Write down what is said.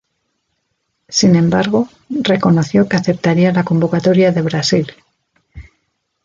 Sin embargo, reconoció que aceptaría la convocatoria de Brasil.